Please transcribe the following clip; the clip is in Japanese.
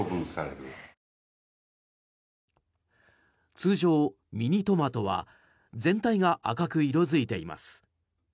通常、ミニトマトは全体が赤く色付いています。